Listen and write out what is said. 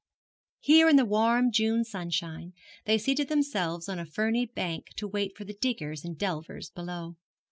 Here in the warm June sunshine they seated themselves on a ferny bank to wait for the diggers and delvers below.